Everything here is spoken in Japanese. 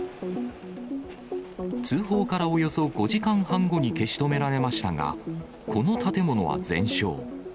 通報からおよそ５時間半後に消し止められましたが、この建物は全焼。